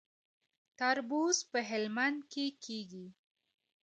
تربوز په هلمند کې کیږي